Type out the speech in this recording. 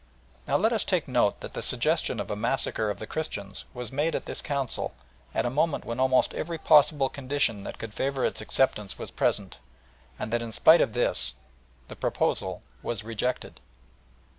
Now let us take note that the suggestion of a massacre of the Christians was made at this Council at a moment when almost every possible condition that could favour its acceptance was present, and that in spite of this the proposal was rejected.